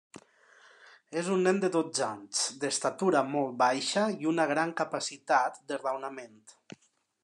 És un nen de dotze anys, d'estatura molt baixa i una gran capacitat de raonament.